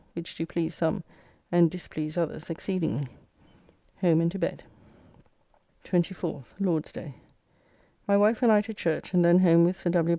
Which do please some, and displease others exceedingly. Home and to bed. 24th (Lord's day). My wife and I to church, and then home with Sir W.